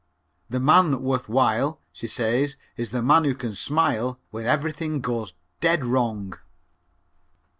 The man worth while," she says, "is the man who can smile when everything goes dead wrong."